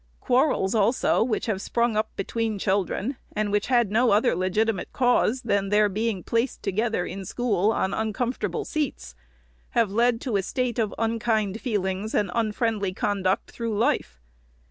Quarrels, also, which have sprung up between children, and which had no other legitimate cause than their being placed to gether in school, on uncomfortable seats, have led to a state of unkind feelings, and unfriendly conduct through life.